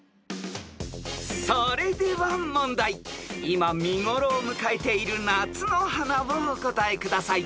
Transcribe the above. ［今見頃を迎えている夏の花をお答えください］